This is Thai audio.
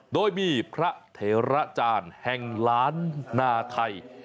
โดยมีพระเถระจารย์แห่งล้านนาไทย